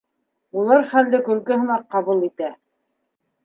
Улар хәлде көлкө һымаҡ ҡабул итә.